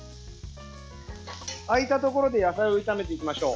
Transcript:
空いたところで野菜を炒めていきましょう。